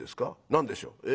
何でしょう？」。